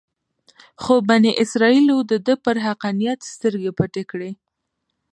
خو بني اسرایلو دده پر حقانیت سترګې پټې کړې.